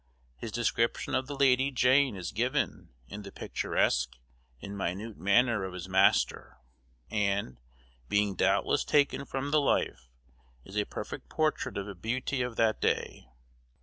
His description of the Lady Jane is given in the picturesque and minute manner of his master, and, being doubtless taken from the life, is a perfect portrait of a beauty of that day.